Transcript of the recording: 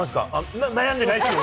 悩んでないです。